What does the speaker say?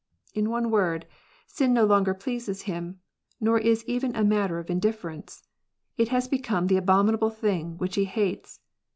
In one word, sin no longer pleases him, nor is even a matter of indifference : it has become the abominable thing which he hates.